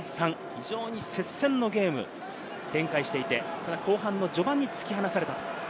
非常に接戦のゲームを展開していて、ただ、後半の序盤に突き放された。